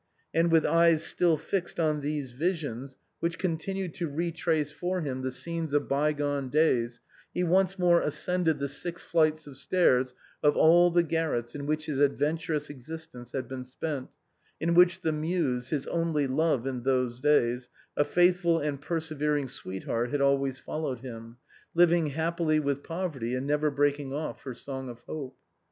And with eyes still fixed on these visions which con EPILOGUE TO THE LOVES OF RODOLPHE AND MIMI. 307 tinued to retrace for him the scenes of by gone days, he once more ascended the six flights of stairs of all the garrets in which his adventurous existence had been spent, in which the Muse, his only love in those days, a faithful and per severing sweetheart had always followed him, living hap pily with poverty and never breaking off her song of hope.